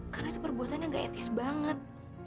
karena itu perbuatannya gak etis banget